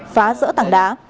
phá rỡ tảng đá